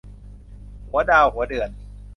หัวดาวหัวเดือน